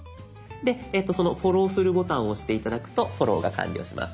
その「フォローする」ボタンを押して頂くとフォローが完了します。